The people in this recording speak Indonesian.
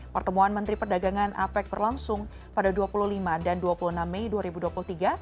pertemuan menteri perdagangan apec berlangsung pada dua puluh lima dan dua puluh enam mei dua ribu dua puluh tiga